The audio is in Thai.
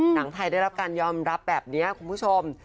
หนังไทยได้รับการยอมรับแบบนี้คุณผู้ชม